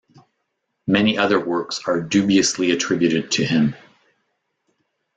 Many other works are dubiously attributed to him.